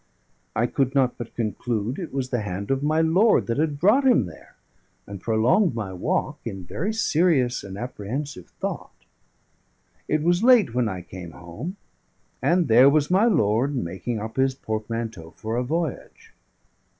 I could not but conclude it was the hand of my lord that had brought him there; and prolonged my walk in very serious and apprehensive thought. It was late when I came home, and there was my lord making up his portmanteau for a voyage.